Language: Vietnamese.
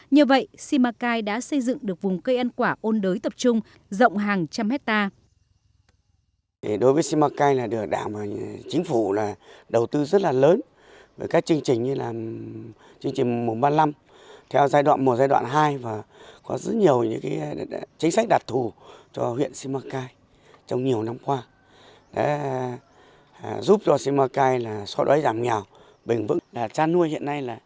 như vậy simacai đã xây dựng được vùng cây ăn quả ôn đới tập trung rộng hàng trăm hectare